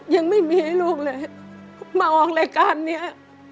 ยังไม่มีให้ลูกเลยมาออกรายการนี้